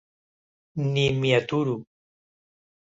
Ni m'hi aturo.